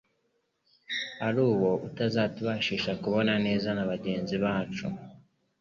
ari wo uzatubashisha kubana neza na bagenzi bacu.